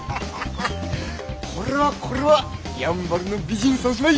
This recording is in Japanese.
これはこれはやんばるの美人三姉妹！